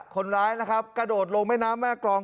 คนร้ายนะครับกระโดดลงแม่น้ำแม่กรอง